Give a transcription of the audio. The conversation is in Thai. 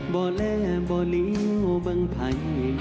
บ่แลบ่ลิวบังไพร